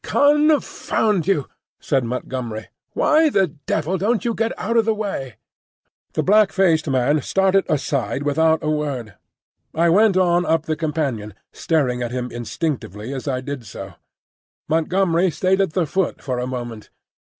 "Confound you!" said Montgomery. "Why the devil don't you get out of the way?" The black faced man started aside without a word. I went on up the companion, staring at him instinctively as I did so. Montgomery stayed at the foot for a moment.